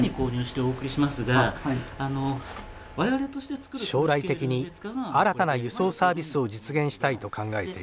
将来的に新たな輸送サービスを実現したいと考えている。